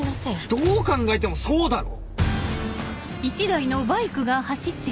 どう考えてもそうだろ。